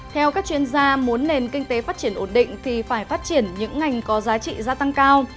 theo các chuyên gia muốn nền kinh tế phát triển ổn định thì phải phát triển những ngành có giá trị gia tăng cao